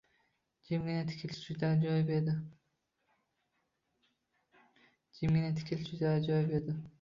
Jimgina tikilishi juda ajoyib edi.